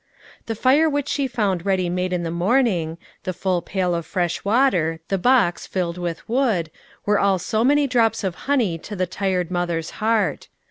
The fire which she found ready made in the morning, the full pail of fresh water, the box: filled with wood, were all so many drops of honey to the tired mother's heart.